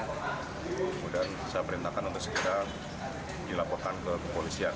kemudian saya perintahkan untuk segera dilaporkan ke kepolisian